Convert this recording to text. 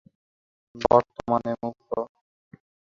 বর্তমানে মুক্ত।